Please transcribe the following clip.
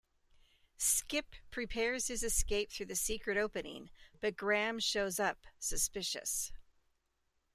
Skip prepares his escape through the secret opening, but Graham shows up, suspicious.